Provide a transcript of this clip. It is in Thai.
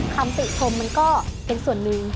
คำติชมมันก็เป็นส่วนหนึ่ง